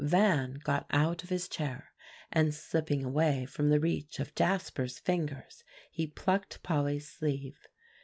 Van got out of his chair, and slipping away from the reach of Jasper's fingers, he plucked Polly's sleeve.